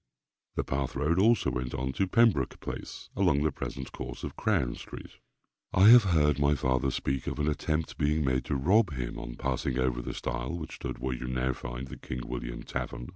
The path road also went on to Pembroke place, along the present course of Crown street. I have heard my father speak of an attempt being made to rob him on passing over the stile which stood where now you find the King William Tavern.